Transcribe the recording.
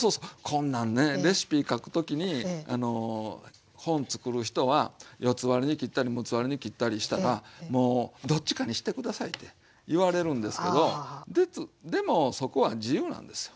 こんなんねレシピ書く時に本作る人は４つ割りに切ったり６つ割りに切ったりしたらもうどっちかにして下さいって言われるんですけどでもそこは自由なんですよ。